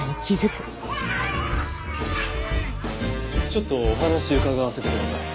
ちょっとお話伺わせてください。